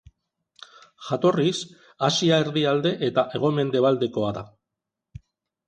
Jatorriz Asia erdialde eta hego-mendebaldekoa da.